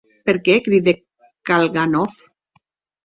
Per qué?, cridèc Kalganov.